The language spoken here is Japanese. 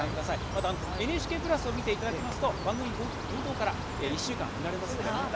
また、ＮＨＫプラスを見ていただきますと番組冒頭から１週間見られます。